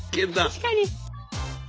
確かに。